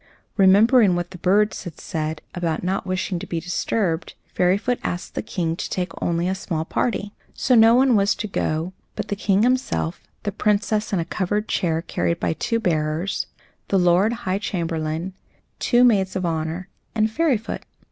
Remembering what the birds had said about not wishing to be disturbed, Fairyfoot asked the King to take only a small party. So no one was to go but the King himself, the Princess, in a covered chair carried by two bearers, the Lord High Chamberlain, two Maids of Honour, and Fairyfoot.